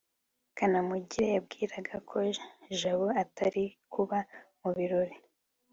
kanamugire yibwiraga ko jabo atari kuba mu birori